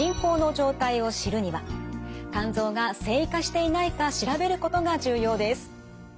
肝臓が線維化していないか調べることが重要です。